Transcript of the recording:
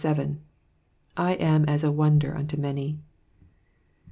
/ am as a wonder unto many."